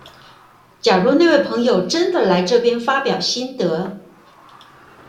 假如那位朋友真的來這邊發表心得